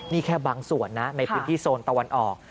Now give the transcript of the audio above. นี่แค่บางส่วนนะในพื้นที่โซนตะวันออก